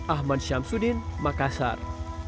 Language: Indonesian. ahmad syamsuddin makassar